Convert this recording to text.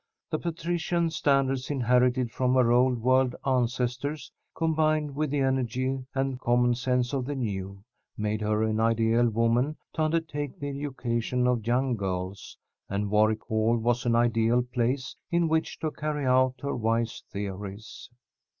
The patrician standards inherited from her old world ancestors, combined with the energy and common sense of the new, made her an ideal woman to undertake the education of young girls, and Warwick Hall was an ideal place in which to carry out her wise theories.